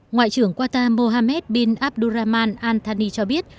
ngoại trưởng qatar mohammed bin abdurrahman anthony cho biết